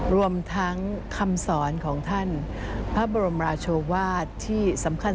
รวมทั้งคำสอนของท่านพระบรมราชวาสที่สำคัญ